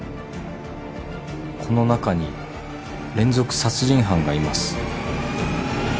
この中に連続殺人犯がいます。